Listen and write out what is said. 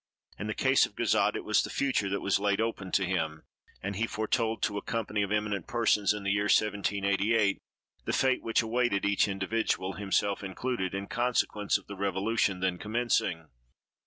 In the case of Cazotte, it was the future that was laid open to him, and he foretold, to a company of eminent persons, in the year 1788, the fate which awaited each individual, himself included, in consequence of the revolution then commencing.